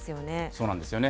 そうなんですよね、